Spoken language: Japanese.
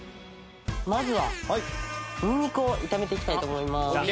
まずはニンニクを炒めていきたいと思います。